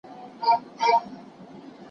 هغه په خپلو لاسو باندې توده ساه ووهله.